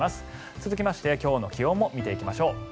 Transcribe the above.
続いて今日の気温も見ていきましょう。